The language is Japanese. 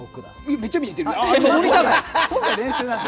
めっちゃ見えてるやん！